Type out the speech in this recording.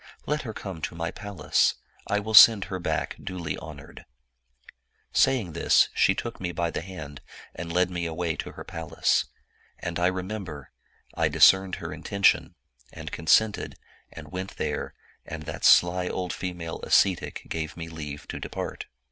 Let her come to my palace; I will send her back duly honored.' Saying this, she took me by the hand, and led me away to her pal ace. And I remember, I discerned her intention, and con sented, and went there, and that sly old female ascetic gave me leave to depart.